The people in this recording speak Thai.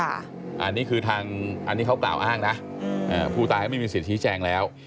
อันนี้คือทางอันนี้เขากล่าวอ้างนะผู้ตายเขาไม่มีสิทธิแจงแล้ว